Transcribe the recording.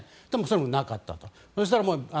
でも、それもなかったと。